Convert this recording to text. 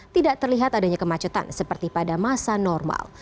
tidak terlihat adanya kemacetan seperti pada masa normal